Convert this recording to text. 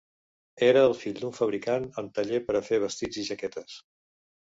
Era el fill d'un fabricant amb taller per a fer vestits i jaquetes.